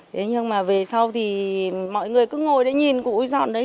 thế nhưng mà về sau thì mọi người cứ ngồi đấy nhìn cụ dọn đấy